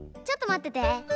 ちょっとまってて。